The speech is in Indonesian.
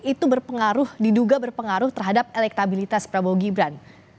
itu berpengaruh diduga berpengaruh terhadap elektabilitas prabowo gibran